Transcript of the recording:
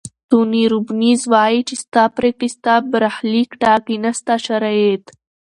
توني روبینز وایي چې ستا پریکړې ستا برخلیک ټاکي نه ستا شرایط.